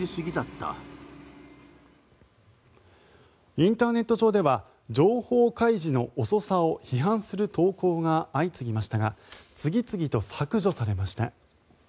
インターネット上では情報開示の遅さを批判する投稿が相次ぎましたが次々と削除されました。